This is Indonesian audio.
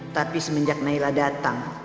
tapi semenjak nailah datang